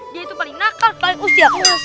dia itu paling nakal paling usia emas